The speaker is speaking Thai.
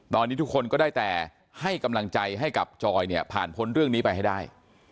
ตอนนี้ทุกคนก็ได้แต่ให้กำลังใจให้กับจอยเนี่ยผ่านพ้นเรื่องนี้ไปให้ได้